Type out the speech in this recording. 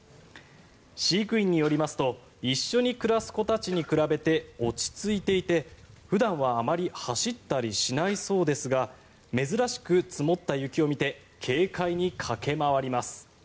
飼育員によりますと一緒に暮らす子たちに比べて落ち着いていて普段はあまり走ったりしないそうですが珍しく積もった雪を見て軽快に駆け回ります。